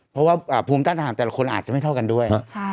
เพราะว่าภูมิต้านทหารแต่ละคนอาจจะไม่เท่ากันด้วย